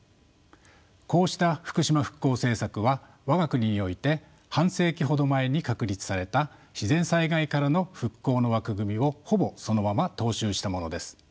こうした福島復興政策は我が国において半世紀ほど前に確立された自然災害からの復興の枠組みをほぼそのまま踏襲したものです。